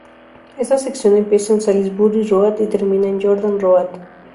Esta sección empieza en Salisbury Road y termina en Jordan Road.